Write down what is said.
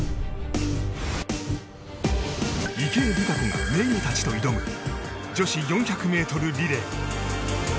池江璃花子がメンバーと挑む女子４００ｍリレー。